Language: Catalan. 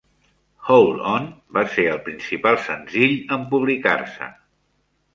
"Hold On" va ser el principal senzill en publicar-se.